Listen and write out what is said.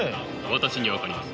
私には分かります。